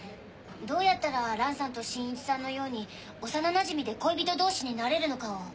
どうやったら蘭さんと新一さんのように幼なじみで恋人同士になれるのかを。